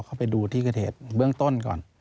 เข้าไปดูที่เกิดเหตุเบื้องต้นก่อน